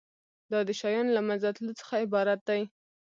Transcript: دا د شیانو له منځه تلو څخه عبارت دی.